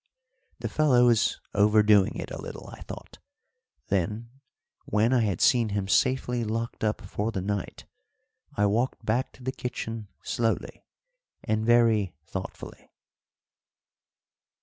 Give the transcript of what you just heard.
The fellow was overdoing it a little, I thought; then, when I had seen him safely locked up for the night, I walked back to the kitchen slowly and very thoughtfully.